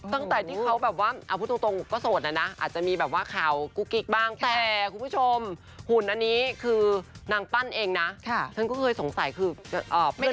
ตั้งแต่ด้วยเข้าแบบร่านอัพธงตรงก็โสด